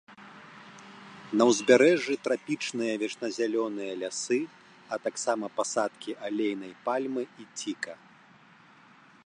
На ўзбярэжжы трапічныя вечназялёныя лясы, а таксама пасадкі алейнай пальмы і ціка.